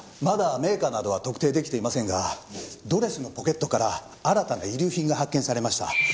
まだメーカーなどは特定出来ていませんがドレスのポケットから新たな遺留品が発見されました。